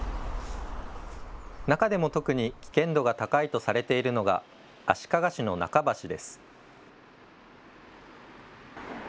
中でも特に危険度が高いとされているのが足利市の中橋です。